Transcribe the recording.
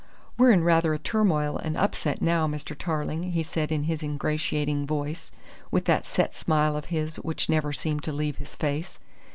"We're in rather a turmoil and upset now, Mr. Tarling," he said in his ingratiating voice, with that set smile of his which never seemed to leave his face.